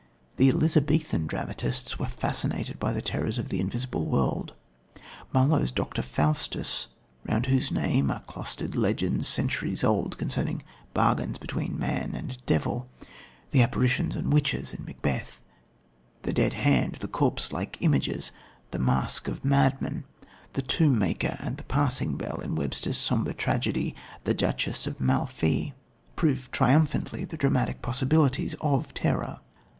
The Elizabethan dramatists were fascinated by the terrors of the invisible world. Marlowe's Dr. Faustus, round whose name are clustered legends centuries old concerning bargains between man and the devil, the apparitions and witches in Macbeth, the dead hand, the corpse like images, the masque of madmen, the tombmaker and the passing bell in Webster's sombre tragedy, The Duchess of Malfi, prove triumphantly the dramatic possibilities of terror.